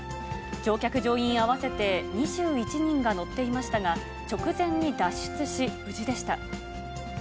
乗客・乗員合わせて２１人が乗っていましたが、直前に脱出し、無事でした。